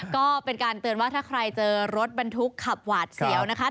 ก็เป็นการเตือนว่าถ้าใครเจอรถบรรทุกขับหวาดเสียวนะคะ